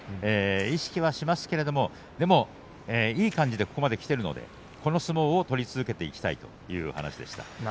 意識はしますけれども、でもいい感じでここまできているのでこの相撲を取り続けていきたいという話でした。